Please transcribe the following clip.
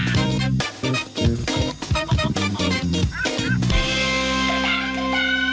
โปรดติดตามตอนต่อไป